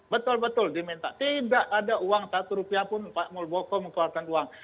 betul betul diminta tidak ada uang satu rupiah pun pak muldoko mengeluarkan uang